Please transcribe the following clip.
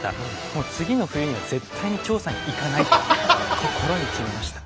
もう次の冬には絶対に調査に行かないと心に決めました。